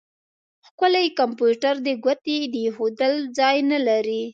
ښکلی کمپيوټر دی؛ د ګوتې د اېښول ځای نه لري.